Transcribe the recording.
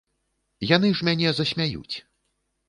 Яны ж мяне засмяюць.